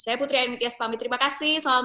saya putri ayu mintias pamit terima kasih selamat malam